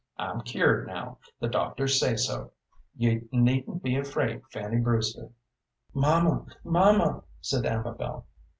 "I'm cured now. The doctors say so. You needn't be afraid, Fanny Brewster." "Mamma, mamma!" said Amabel.